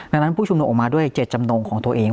ดังนั้นผู้ชุมนุมออกมาด้วยเจตจำนงของตัวเอง